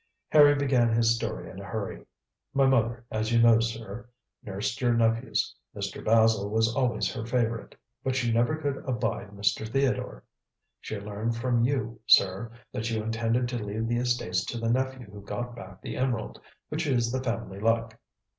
Harry began his story in a hurry. "My mother, as you know, sir, nursed your nephews. Mr. Basil was always her favourite, but she never could abide Mr. Theodore. She learned from you, sir, that you intended to leave the estates to the nephew who got back the emerald, which is the family luck."